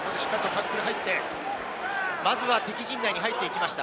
まずは敵陣内に入っていきました。